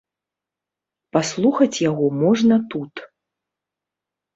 Паслухаць яго можна тут.